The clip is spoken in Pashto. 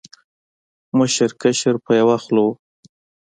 مشر، کشر په یو خوله و